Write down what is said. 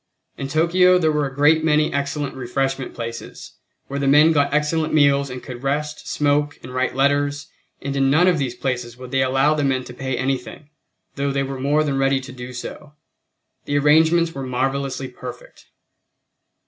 In Tokyo there were a great many excellent refreshment places, where the men got excellent meals and could rest, smoke, and write letters, and in none of these places would they allow the men to pay anything, though they were more than ready to do so. The arrangements were marvelously perfect.